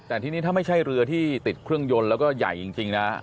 แต่ทีนี้ถ้าไม่ใช่เรือที่ติดเครื่องยนต์แล้วก็ใหญ่จริงนะ